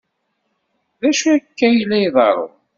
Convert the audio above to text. D acu akka ay la iḍerrun?